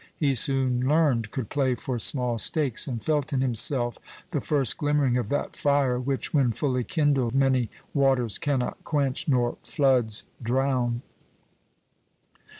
He soon learned, could play for small stakes, and felt in himself the first glimmering of that fire which, when fully kindled, many waters cannot quench, nor floods drown!